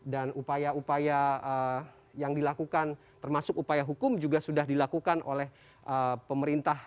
dan upaya upaya yang dilakukan termasuk upaya hukum juga sudah dilakukan oleh pemerintah